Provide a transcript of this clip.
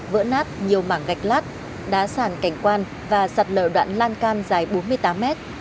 vỡ nát nhiều mảng gạch lát đá sàn cảnh quan và sạt lở đoạn lan can dài bốn mươi tám mét